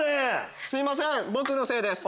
すいません僕のせいです。